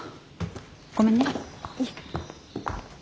ごめんね。